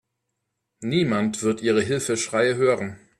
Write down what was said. Niemand wird Ihre Hilfeschreie hören.